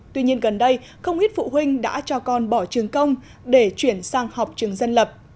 tuy nhiên gần đây không ít phụ huynh đã cho con bỏ trường công để chuyển sang học trường dân lập